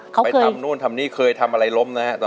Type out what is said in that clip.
ไปทำนู้นทำนี่เคยทำอะไรล้มนะตอนนั้น